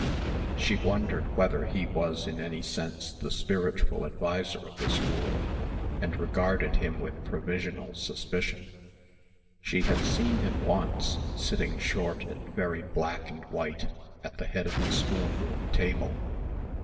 She wondered whether he was in any sense the spiritual adviser of the school and regarded him with provisional suspicion. She had seen him once, sitting short and very black and white at the head of the schoolroom table.